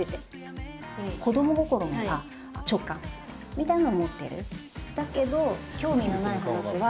みたいなのを持ってる。